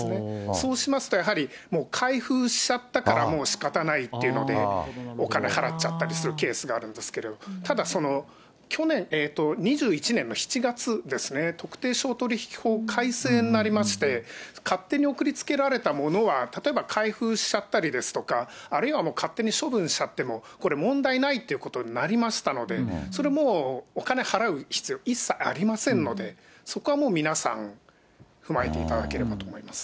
そうしますと、やはり開封しちゃったからもうしかたがないというので、お金払っちゃったりするケースがあるんですけど、ただ、去年、２１年の７月ですね、特定商取引法改正になりまして、勝手に送りつけられたものは、例えば開封しちゃったりですとか、あるいは勝手に処分しちゃっても、これ、問題ないっていうことになりましたので、それもう、お金払う必要一切ありませんので、そこはもう、皆さん踏まえていただければと思います。